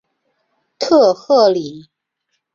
特赫里。